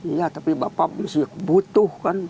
iya tapi bapak masih butuh kan